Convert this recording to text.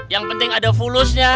yang penting ada fulusnya